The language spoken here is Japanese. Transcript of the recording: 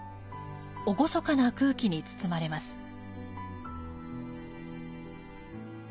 厳かな空気に包まれます。